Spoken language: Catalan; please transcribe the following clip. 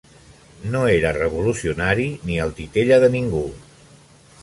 No era revolucionari ni el titella de ningú.